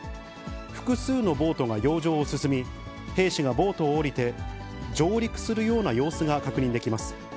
複数のボートが洋上を進み、兵士がボートを降りて、上陸するような様子が確認できます。